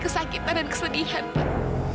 kesakitan dan kesedihan pak